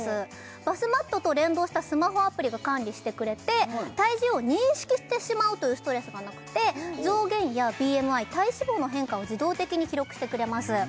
バスマットと連動したスマホアプリが管理してくれて体重を認識してしまうというストレスがなくて増減やＢＭＩ体脂肪の変化を自動的に記録してくれます